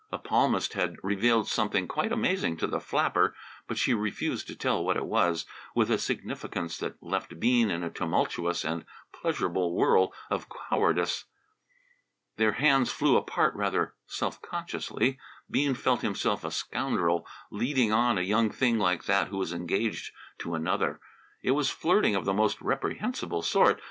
A palmist had revealed something quite amazing to the flapper, but she refused to tell what it was, with a significance that left Bean in a tumultuous and pleasurable whirl of cowardice. Their hands flew apart rather self consciously. Bean felt himself a scoundrel "leading on" a young thing like that who was engaged to another. It was flirting of the most reprehensible sort.